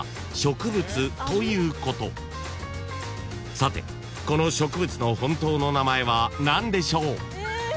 ［さてこの植物の本当の名前は何でしょう？］